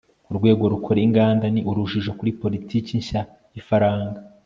urwego rukora inganda ni urujijo kuri politiki nshya y'ifaranga